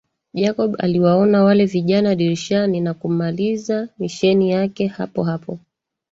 Jacob aliwaona wale vijana dirishani na kumaliza misheni yake hapo hapo